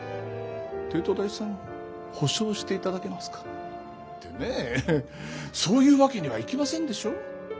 帝都大さん補償していただけますかってねぇそういうわけにはいきませんでしょう？